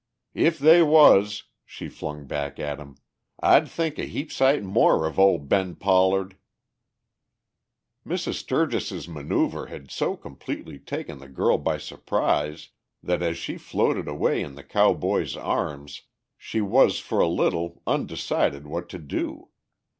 "If they was," she flung back at him, "I'd think a heap sight more of ol' Ben Pollard!" Mrs. Sturgis's manoeuvre had so completely taken the girl by surprise that as she floated away in the cowboy's arms she was for a little undecided what to do.